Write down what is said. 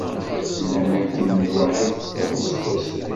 Llan akken lwaḥid tlata iseggasen.